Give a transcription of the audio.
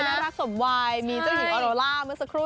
น่ารักสมวัยมีเจ้าหญิงออโรล่าเมื่อสักครู่